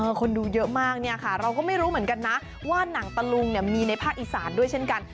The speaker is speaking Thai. คนดูเยอะมากเนี่ยค่ะเราก็ไม่รู้เหมือนกันนะว่าหนังตะลุงเนี่ยมีในภาคอีสานด้วยเช่นกัน